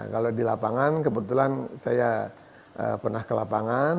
kalau di lapangan kebetulan saya pernah ke lapangan